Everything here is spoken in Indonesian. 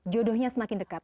jodohnya semakin dekat